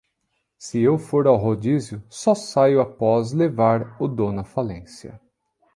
Se eu for ao rodízio, só saio após levar o dono à falência